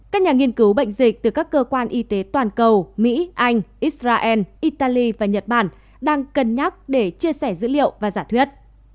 các nhà nghiên cứu bệnh dịch từ các cơ quan y tế toàn cầu mỹ anh israel italy và nhật bản đang cân nhắc để chia sẻ dữ liệu và giả thuyết